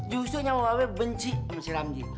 justru nyamang babe benci sama si ramji